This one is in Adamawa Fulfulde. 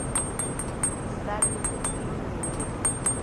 O sali, o illi nde.